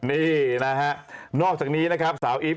นี่นะฮะนอกจากนี้นะครับสาวอีฟ